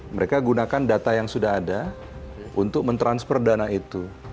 mereka gunakan data yang sudah ada untuk mentransfer dana itu